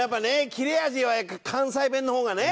切れ味は関西弁の方がね。